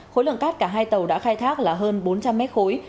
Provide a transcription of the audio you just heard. khối lượng cát cả hai tàu đã khai thác là hơn bốn trăm linh mét khối